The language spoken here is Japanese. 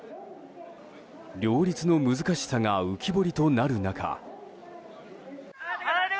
両立の難しさが浮き彫りとなる中。